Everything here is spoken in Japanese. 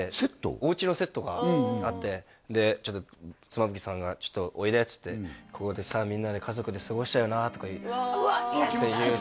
お家のセットがあってで妻夫木さんが「ちょっとおいで」っつってここでさみんなで家族で過ごしたよなとか言ってうわ